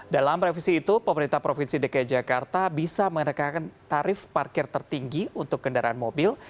dalam revisi itu pemerintah provinsi dki jakarta bisa menekankan tarif parkir tertinggi untuk kendaraan mobil